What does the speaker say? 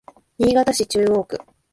新潟市中央区